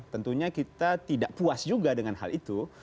tentunya kita tidak puas juga dengan hal itu